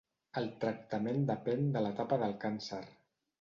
El tractament depèn de l'etapa del càncer.